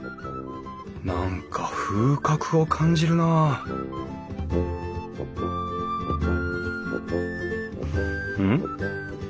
何か風格を感じるなあうん？